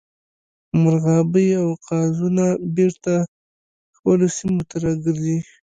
مرغابۍ او قازونه بیرته خپلو سیمو ته راګرځي